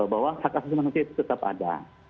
bahwa hak asasi manusia itu tetap ada